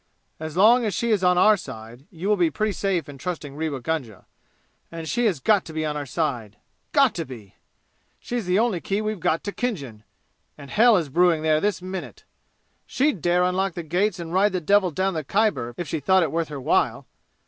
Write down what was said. As long as she is on our side you will be pretty safe in trusting Rewa Gunga. And she has got to be on our side. Got to be! She's the only key we've got to Khinjan, and hell is brewing there this minute! She dare unlock the gates and ride the devil down the Khyber if she thought it worth her while!